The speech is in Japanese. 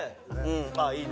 ああいいね。